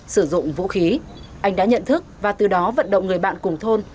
sử dụng vũ khí anh đã nhận thức và từ đó vận động người bạn cùng thôn